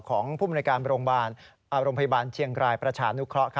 ของภูมิในการโรงพยาบาลเชียงรายประชานุเคราะห์